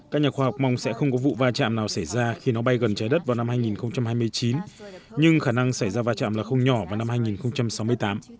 các nhà khoa học mong sẽ không có vụ va chạm nào xảy ra khi nó bay gần trái đất vào năm hai nghìn hai mươi chín nhưng khả năng xảy ra va chạm là không nhỏ vào năm hai nghìn sáu mươi tám